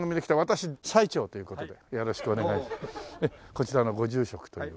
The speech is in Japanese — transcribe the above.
こちらのご住職という。